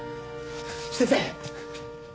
先生！